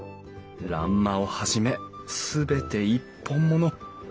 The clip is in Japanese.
欄間をはじめ全て一本もの。